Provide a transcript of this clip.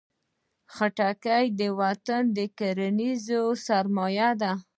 خټکی د وطن کرنیزه سرمایه ده.